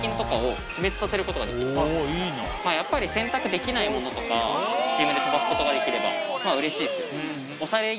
やっぱり洗濯できないものとかスチームで飛ばすことができればうれしいですよね。